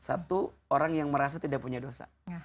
satu orang yang merasa tidak punya dosa